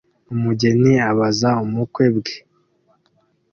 Umugeni abaza ubukwe bwe